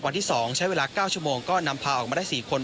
วันที่๒ใช้เวลา๙ชั่วโมงก็นำพาออกมาได้๔คน